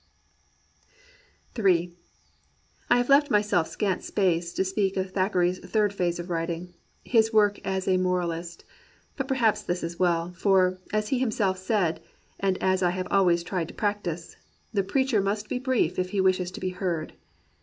m I have left myself scant space to speak of Thack eray's third phase in writing — his work as a moral ist. But perhaps this is well, for, as he himseK said, (and as I have always tried to practise), the preacher must be brief if he wishes to be heard.